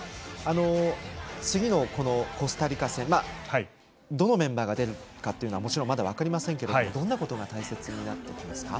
次のコスタリカ戦どのメンバーが出るかというのはもちろんまだ分かりませんがどんなことが大切になってきますか？